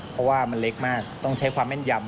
เพราะว่ามันเล็กมากต้องใช้ความแม่นยำ